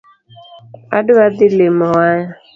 Adwa dhi limo waya.